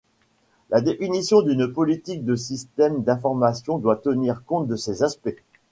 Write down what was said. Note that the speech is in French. La définition d'une politique de système d'information doit tenir compte de ces aspects.